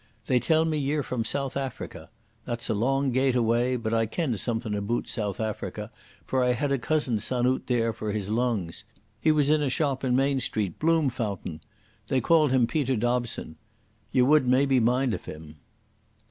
They tell me ye're from South Africa. That's a long gait away, but I ken something aboot South Africa, for I had a cousin's son oot there for his lungs. He was in a shop in Main Street, Bloomfountain. They called him Peter Dobson. Ye would maybe mind of him."